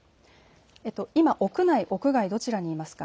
今、屋内、屋外どちらにいますか。